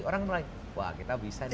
orang mulai wah kita bisa nih